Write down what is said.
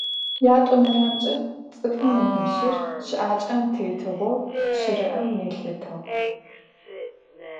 Ятӏонэрэмкӏэ, цӏыфым ыныбжьыр щыӏакӏэм тетыгъоу щыриӏэм елъытыгъ.